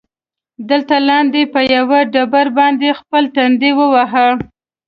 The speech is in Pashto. دلته لاندې، په یوه ډبره باندې خپل تندی ووهه.